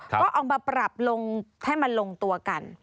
ก็เอามาปรับลงให้มันลงตัวกัน